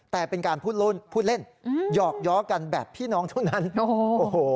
แต่เป็นการพูดเล่นพูดเล่นหยอกย้อกันแบบพี่น้องเท่านั้นโอ้โห